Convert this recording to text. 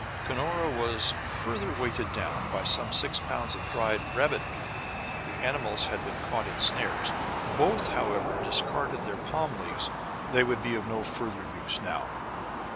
Cunora was further weighed down by some six pounds of dried rabbit meat; the animals had been caught in snares. Both, however, discarded their palm leaves; they would be of no further use now.